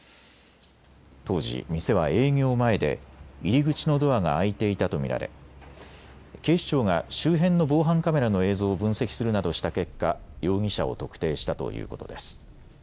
当時、店は営業前で入り口のドアが開いていたと見られ警視庁が周辺の防犯カメラの映像を分析するなどした結果、容疑者を特定したということです。